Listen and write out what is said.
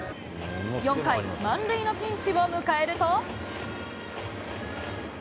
４回、満塁のピンチを迎えると。